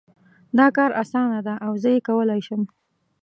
دا کار اسانه ده او زه یې کولای شم